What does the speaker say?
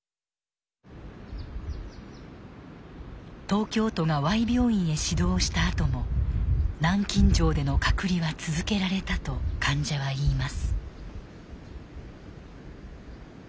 東京都がＹ病院へ指導をしたあとも南京錠での隔離は続けられたと患者は言います。